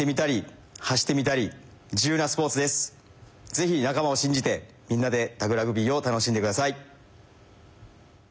ぜひなかまをしんじてみんなでタグラグビーを楽しんでください。